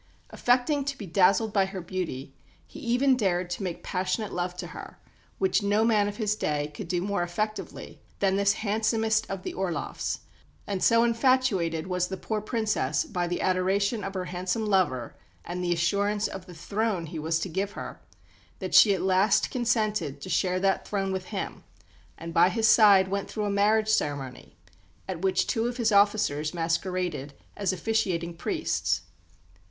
Affecting to be dazzled by her beauty, he even dared to make passionate love to her, which no man of his day could do more effectively than this handsomest of the Orloffs; and so infatuated was the poor Princess by the adoration of her handsome lover and the assurance of the throne he was to give her, that she at last consented to share that throne with him, and by his side went through a marriage ceremony, at which two of his officers masqueraded as officiating priests.